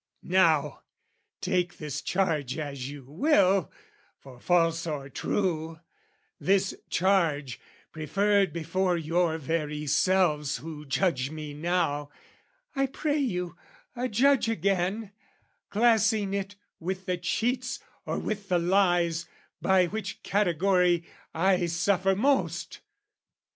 Now take this charge as you will, for false or true, This charge, preferred before your very selves Who judge me now, I pray you, adjudge again, Classing it with the cheats or with the lies, By which category I suffer most!